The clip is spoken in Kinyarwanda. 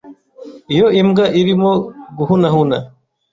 Iyo imbwa irimo guhunahuna,